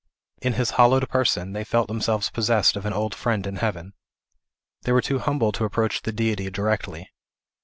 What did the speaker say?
In his hallowed person, they felt themselves possessed of an own friend in heaven. They were too humble to approach the Deity directly.